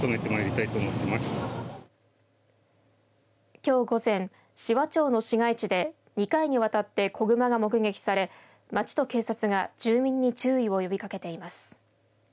きょう午前紫波町の市街地で２回にわたって子グマが目撃され町と警察が住民に注意を呼びかけています。